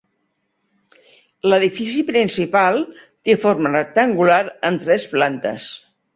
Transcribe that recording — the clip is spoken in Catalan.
L'edifici principal té forma rectangular amb tres plantes.